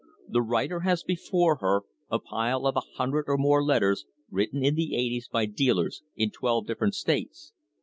The writer has before her a pile of a hundred or more letters written in the eighties by dealers in twelve different states.